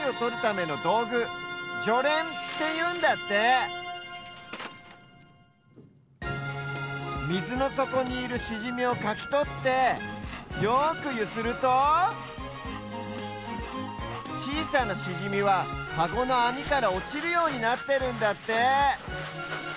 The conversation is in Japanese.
「じょれん」っていうんだってみずのそこにいるシジミをかきとってよくゆするとちいさなシジミはカゴのあみからおちるようになってるんだって